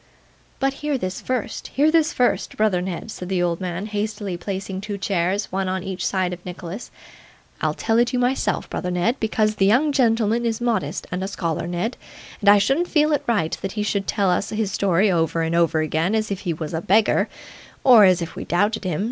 'But hear this first hear this first, brother Ned,' said the old man, hastily, placing two chairs, one on each side of Nicholas: 'I'll tell it you myself, brother Ned, because the young gentleman is modest, and is a scholar, Ned, and I shouldn't feel it right that he should tell us his story over and over again as if he was a beggar, or as if we doubted him.